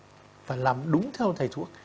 phải làm đúng theo thầy thuốc